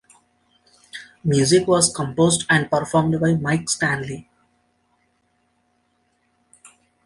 Music was composed and performed by Mike Stanley.